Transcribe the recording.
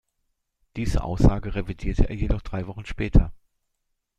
Diese Aussage revidierte er jedoch drei Wochen später.